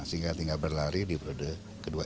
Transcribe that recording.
sehingga tinggal berlari di periode kedua